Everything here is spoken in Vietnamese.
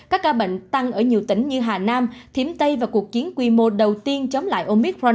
các ca bệnh tăng ở nhiều tỉnh như hà nam thiếm tây và cuộc chiến quy mô đầu tiên chống lại omicron